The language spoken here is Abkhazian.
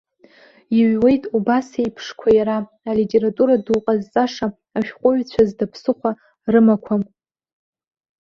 Иҩуеит убас еиԥшқәа иара, алитература ду ҟазҵаша, ашәҟәыҩҩцәа зда ԥсыхәа рымақәам.